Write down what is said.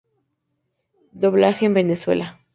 Doblaje en Venezuela